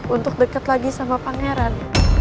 untuk dekat lagi sama pangeran